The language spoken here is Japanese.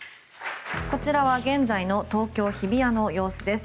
こちらは現在の東京・日比谷の様子です。